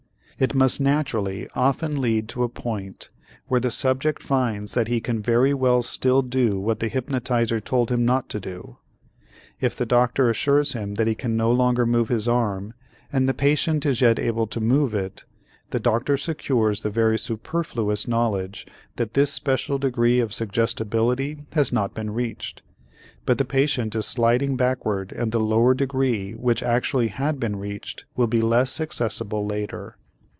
It must naturally often lead to a point where the subject finds that he can very well still do what the hypnotizer told him not to do. If the doctor assures him that he can no longer move his arm and the patient is yet able to move it, the doctor secures the very superfluous knowledge that this special degree of suggestibility has not been reached, but the patient is sliding backward and the lower degree which actually had been reached will be less accessible later.